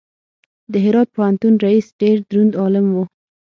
د هرات پوهنتون رئیس ډېر دروند عالم و.